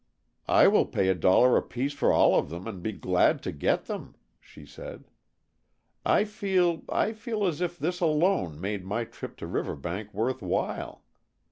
"I will pay a dollar apiece for all of them, and be glad to get them," she said. "I feel I feel as if this alone made my trip to Riverbank worth while.